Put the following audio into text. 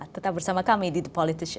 tetap bersama kami di the politician